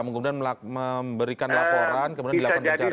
kemudian memberikan laporan kemudian dilakukan pencarian